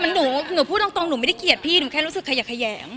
หนูพูดตรงหนูไม่ได้เกลียดพี่หนูแค่รู้สึกขยะแขยง